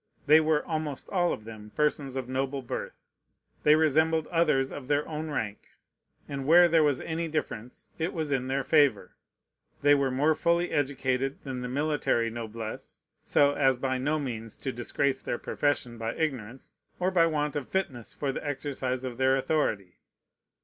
They were almost all of them persons of noble birth. They resembled others of their own rank; and where there was any difference, it was in their favor. They were more fully educated than the military noblesse, so as by no means to disgrace their profession by ignorance, or by want of fitness for the exercise of their authority.